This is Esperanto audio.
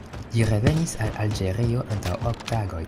Li revenis el Alĝerio antaŭ ok tagoj.